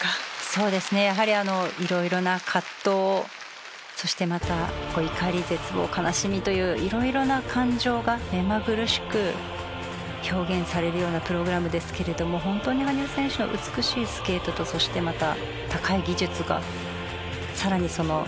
そうですねやはりあの色々な葛藤そしてまた怒り絶望悲しみという色々な感情がめまぐるしく表現されるようなプログラムですけれども本当に羽生選手の美しいスケートとそしてまた高い技術がさらにその演出を高めますよね。